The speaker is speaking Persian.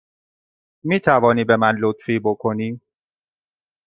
می توانی به من لطفی بکنی؟